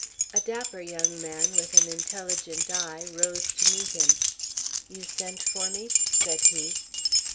A dapper young man with an intelligent eye rose to meet him. "You sent for me," said he.